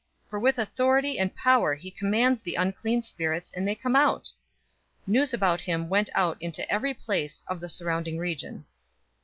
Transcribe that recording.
For with authority and power he commands the unclean spirits, and they come out!" 004:037 News about him went out into every place of the surrounding region.